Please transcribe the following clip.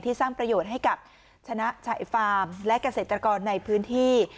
สร้างประโยชน์ให้กับชนะชายฟาร์มและเกษตรกรในพื้นที่